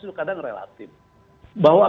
itu kadang relatif bahwa